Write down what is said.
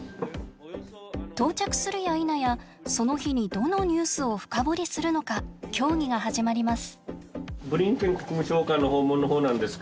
到着するやいなやその日にどのニュースを深掘りするのか協議が始まります。